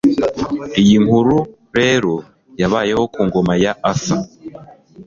iyi nkuru rero yabayeho ku ngoma ya Arthur